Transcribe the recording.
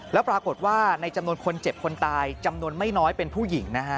แล้วปรากฏว่าในจำนวนคนเจ็บคนตายจำนวนไม่น้อยเป็นผู้หญิงนะฮะ